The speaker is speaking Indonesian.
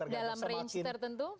dalam range tertentu